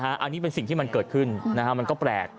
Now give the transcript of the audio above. อันนี้เป็นสิ่งที่มันเกิดขึ้นมันก็แปลก